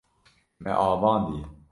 Me avandiye.